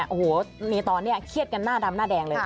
โอ้โหตอนนี้เครียดกันหน้าดำหน้าแดงเลย